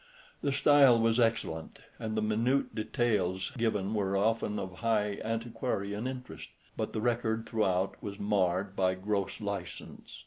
The style was excellent, and the minute details given were often of high antiquarian interest; but the record throughout was marred by gross licence.